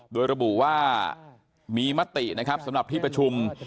โดยระบุว่ามีมตินะครับสำหรับที่ประชุม